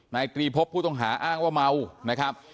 นายตรีพบผู้ต้องหาอ้างว่าเมานะครับ